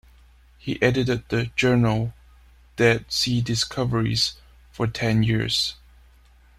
He edited the journal "Dead Sea Discoveries" for ten years.